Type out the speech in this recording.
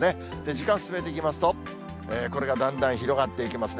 時間進めていきますと、これがだんだん広がっていきますね。